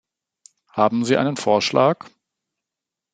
Haben Sie einen Vorschlag?